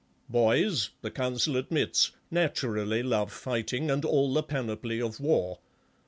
Boys, the Council admits, naturally love fighting and all the panoply of war